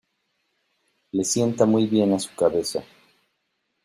Le sienta muy bien a su cabeza.